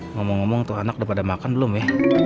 ngomong ngomong tuh anak udah pada makan belum ya